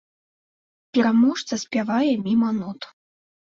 Пераможца спявае міма нот.